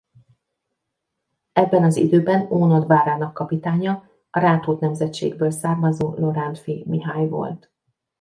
Ebben az időben Ónod várának kapitánya a Rátót nemzetségből származó Lorántffy Mihály volt.